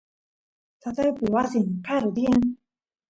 tataypa wasin karu tiyan